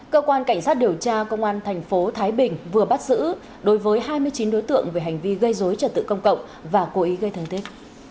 cơ quan cảnh sát điều tra công an thành phố thái bình vừa bắt giữ đối với hai mươi chín đối tượng về hành vi gây dối trật tự công cộng và cố ý gây thân thiết